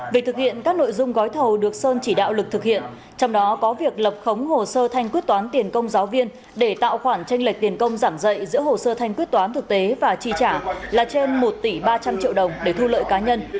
việc thực hiện các nội dung gói thầu được sơn chỉ đạo lực thực hiện trong đó có việc lập khống hồ sơ thanh quyết toán tiền công giáo viên để tạo khoản tranh lệch tiền công giảng dạy giữa hồ sơ thanh quyết toán thực tế và chi trả là trên một tỷ ba trăm linh triệu đồng để thu lợi cá nhân